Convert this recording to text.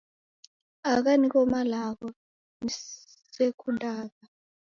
Agho nigho malagho nisekundagha